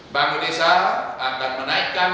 bank indonesia akan menaikkan